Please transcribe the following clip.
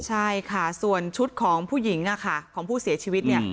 ใช่ค่ะส่วนชุดของผู้หญิงของผู้เสียชีวิต